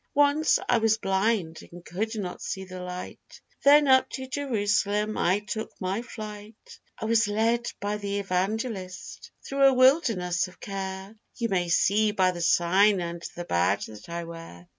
Once I was blind, and could not see the light, Then up to Jerusalem I took my flight, I was led by the evangelist through a wilderness of care, You may see by the sign and the badge that I wear.